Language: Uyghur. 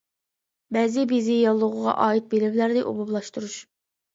مەزى بېزى ياللۇغىغا ئائىت بىلىملەرنى ئومۇملاشتۇرۇش.